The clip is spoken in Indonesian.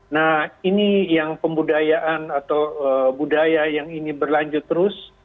nah ini yang pembudayaan atau budaya yang ini berlanjut terus